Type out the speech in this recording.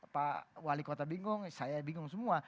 pak wali kota bingung saya bingung semua